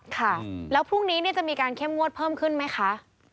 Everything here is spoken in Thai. ค่ะแล้วพรุ่งนี้จะมีการเข้มงวดเพิ่มขึ้นไหมคะ